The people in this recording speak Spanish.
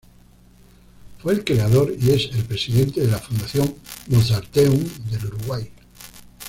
Fue el creador y es el presidente de la Fundación Mozarteum del Uruguay.